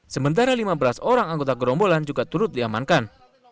sementara lima belas orang anggota gerombolan juga turut diamankan